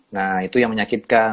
nah itu yang menyakitkan